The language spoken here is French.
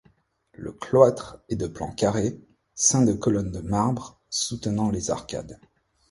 Le cloître est de plan carré, ceint de colonnes de marbre soutenant les arcades.